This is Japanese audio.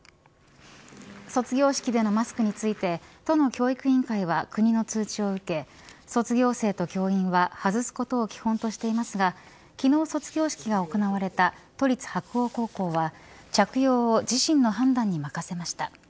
卒業式でのマスクについて都の教育委員会は国の通知を受け、卒業生と教員は外すことを基本としていますが昨日卒業式が行われた都立白鴎高校は着用を自身の判断に任せました。